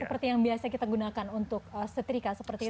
seperti yang biasa kita gunakan untuk setrika seperti itu